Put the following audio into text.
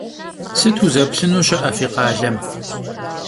Sıt vuzeplhınu şı'e fi khalem?